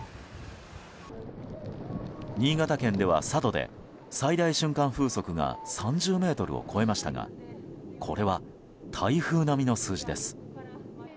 新潟県では佐渡で最大瞬間風速が３０メートルを超えましたがこれは台風並みの数字です。